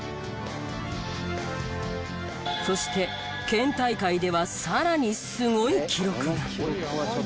そして県大会ではさらにすごい記録が！